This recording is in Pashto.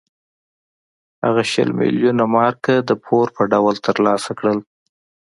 هغه شپږ میلیونه مارکه د پور په ډول ترلاسه کړل.